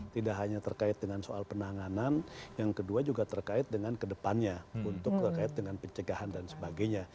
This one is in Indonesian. tidak hanya terkait dengan soal penanganan yang kedua juga terkait dengan kedepannya untuk terkait dengan pencegahan dan sebagainya